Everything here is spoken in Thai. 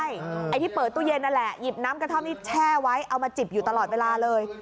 ไอ้ที่เปิดตู้เย็นนั่นแหละหยิบน้ำกระท่อมนี้แช่ไว้เอามาจิบอยู่ตลอดเวลาเลย